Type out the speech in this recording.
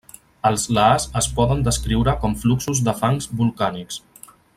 Els lahars es poden descriure com fluxos de fangs volcànics.